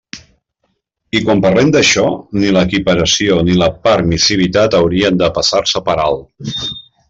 I quan parlem d'això, ni l'equiparació, ni la permissivitat haurien de passar-se per alt.